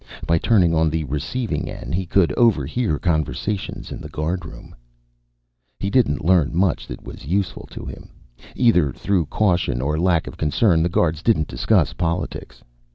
By turning on the receiving end, he could overhear conversations in the guardroom. He didn't learn much that was useful to him. Either through caution or lack of concern, the guards didn't discuss politics.